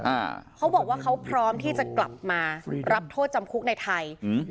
อ่าเขาบอกว่าเขาพร้อมที่จะกลับมารับโทษจำคุกในไทยอืม